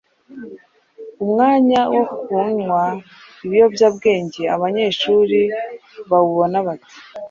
Umwanya wo kunywa ibiyobyabwenge abanyeshuri bawubona bate?